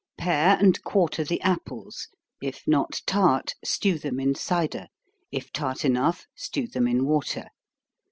_ Pare and quarter the apples if not tart, stew them in cider if tart enough, stew them in water.